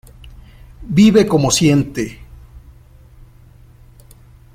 Vive como siente.